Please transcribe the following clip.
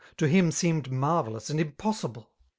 To him seemed marvellous and impossible.